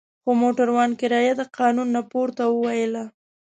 خو موټروان کرایه د قانون نه پورته وویله.